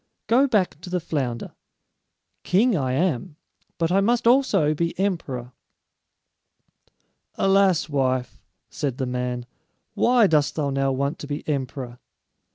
Go back to the flounder. King I am, but I must also be emperor." "Alas, wife," said the man, "why dost thou now want to be emperor?"